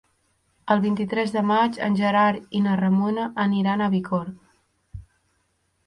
El vint-i-tres de maig en Gerard i na Ramona aniran a Bicorb.